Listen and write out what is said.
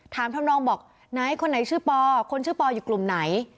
ทำนองบอกไหนคนไหนชื่อปอคนชื่อปออยู่กลุ่มไหน